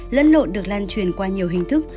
lẫn lộn được lan truyền qua nhiều hình thức